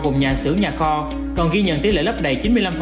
gồm nhà xưởng nhà kho còn ghi nhận tỷ lệ lấp đầy chín mươi năm